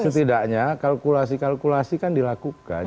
setidaknya kalkulasi kalkulasi kan dilakukan